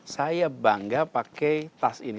saya bangga pakai tas ini